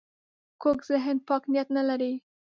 کوږ ذهن پاک نیت نه لري